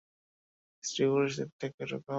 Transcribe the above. স্ত্রী-পুরুষ দেখতে একই রকম।